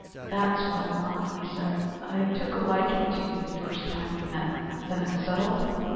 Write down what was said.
"That's what I want," he said. "I took a liking to you the first time we met. Then it's settled?"